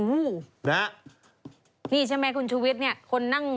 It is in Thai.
อู้นี่ใช่ไหมครับคุณชุวิธินี่คนนั่ง